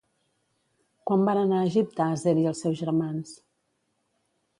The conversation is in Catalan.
Quan van anar a Egipte Aser i els seus germans?